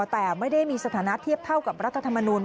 แต่ไม่ได้มีสถานะเทียบเท่ากับรัฐธรรมนูล